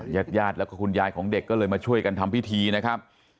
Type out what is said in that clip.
ญาติญาติแล้วก็คุณยายของเด็กก็เลยมาช่วยกันทำพิธีนะครับ